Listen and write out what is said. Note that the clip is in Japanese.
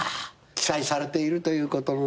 期待されているということもね。